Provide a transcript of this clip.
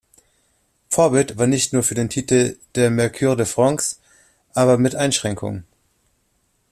Vorbild war nicht nur für den Titel der Mercure de France, aber mit Einschränkungen.